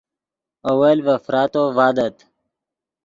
اول ڤے فراتو ڤادت